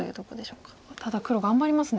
ただ黒頑張りますね。